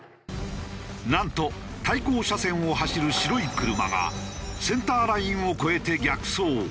なんと対向車線を走る白い車がセンターラインを越えて逆走。